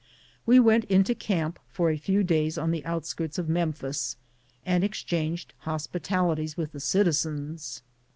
We went into camp for a few days on the outskirts of Mempliis, and ex changed hospitalities with the citizens.